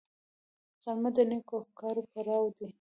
غرمه د نېکو افکارو پړاو دی